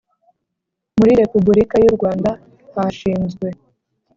muri Repuburika y u Rwanda hashinzwe